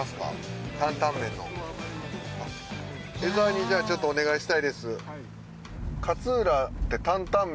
江ざわにじゃあちょっとお願いしたいです。